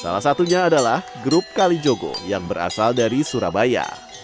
salah satunya adalah grup kalijogo yang berasal dari surabaya